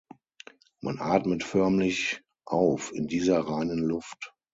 Man atmet förmlich auf in dieser reinen Luft.